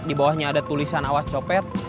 dibawahnya ada tulisan awas copet